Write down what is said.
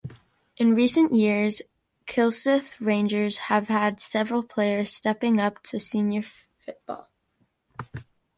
In recent years Kilsyth Rangers have had several players stepping up to Senior Football.